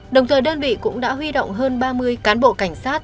đồng thời đơn vị cũng đã huy động hơn ba mươi cán bộ cảnh sát